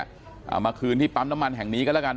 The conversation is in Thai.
เอามาคืนที่ปั๊มน้ำมันแห่งนี้ก็แล้วกัน